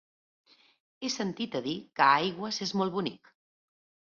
He sentit a dir que Aigües és molt bonic.